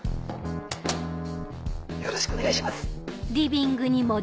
よろしくお願いします。